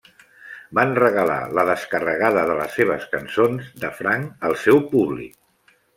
Van regalar la descarregada de les seves cançons de franc al seu públic.